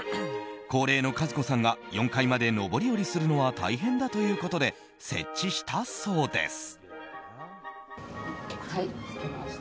高齢の数子さんが４階まで上り下りするのは大変だということで設置したそうです。